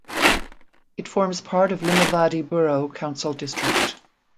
It forms part of Limavady Borough Council district.